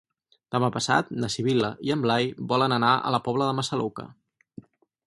Demà passat na Sibil·la i en Blai volen anar a la Pobla de Massaluca.